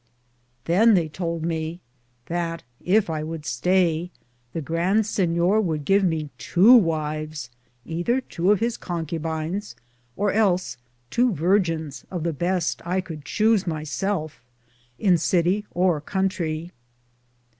Than they toulde me that yf I would staye the Grand Sinyor would give tow wyfes, ether tow of his Concubines or els tow virgins of the beste I Could Chuse my selfe, in Cittie or contrie.